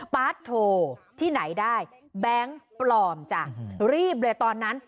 ปาร์ดโทรที่ไหนได้แบงค์ปลอมจ้ะรีบเลยตอนนั้น